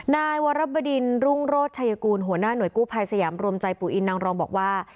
นายวรบดินรุ่งโรธชัยกูลหัวหน้าหน่วยกู้ภัยสยามรวมใจปู่อินนางรองบอกว่า